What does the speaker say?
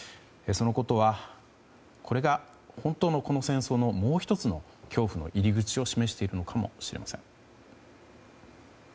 そのことはこれが本当のこの戦争のもう１つの恐怖の入り口を示しているのかもしれません。